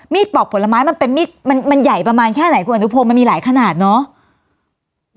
มีดปอกผลไม้มันเป็นมีดมันมันใหญ่ประมาณแค่ไหนครับคุณอนุโภคมันมีหลายขนาดเนาะ